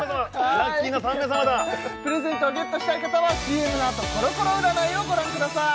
ラッキーな３名様だプレゼントをゲットしたい方はＣＭのあとコロコロ占いをご覧ください